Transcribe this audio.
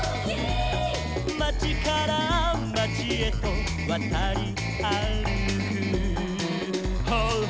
「まちからまちへとわたりあるく」「」